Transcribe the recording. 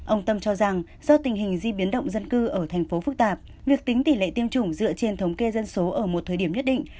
ông tâm cho rằng do tình hình di biến động dân cư ở thành phố phức tạp việc tính tỷ lệ tiêm chủng dựa trên thống kê dân số ở một thời điểm nhất định